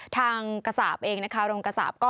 กระสาปเองนะคะโรงกระสาปก็